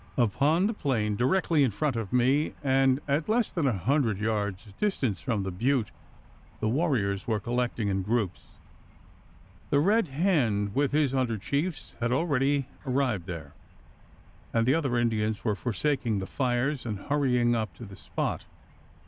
Upon the plain directly in front of me, and at less than a hundred yards' distance from the butte, the warriors were collecting in groups. The Red Hand with his under chiefs had already arrived there; and the other Indians were forsaking the fires, and hurrying up to the spot.